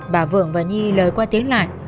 bà vượng và nhi lời qua tiếng lại